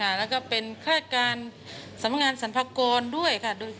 แล้วก็เป็นฆาตราการสำนักงานสรรพากรด้วยค่ะ